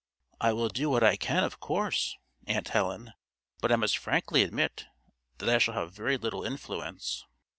"I will do what I can, of course, Aunt Helen; but I must frankly admit that I shall have very little influence."